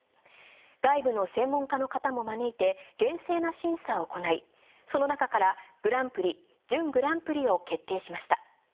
外部の専門家の方も招いて厳正な審査を行いその中からグランプリ準グランプリを決定しました。